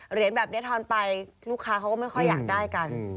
เหรียญแบบนี้ทอนไปลูกค้าเขาก็ไม่ค่อยอยากได้กัน